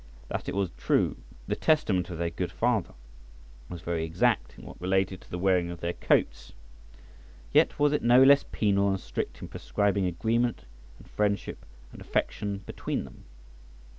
That it was true the testament of their good father was very exact in what related to the wearing of their coats; yet was it no less penal and strict in prescribing agreement, and friendship, and affection between them.